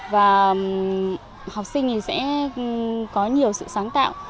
và học sinh sẽ có nhiều sự sáng tạo